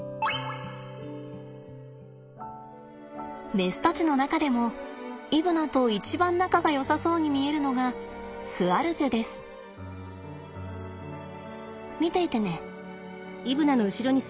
メスたちの中でもイブナと一番仲がよさそうに見えるのが見ていてね。